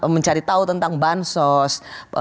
mencari tahu tentang bansos